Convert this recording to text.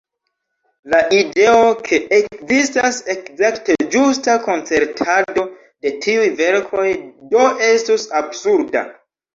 La ideo, ke ekzistas ekzakte ĝusta koncertado de tiuj verkoj, do estus absurda.